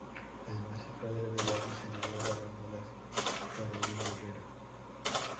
Además es padre de la diseñadora de modas Carolina Herrera.